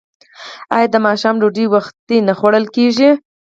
آیا د ماښام ډوډۍ وختي نه خوړل کیږي؟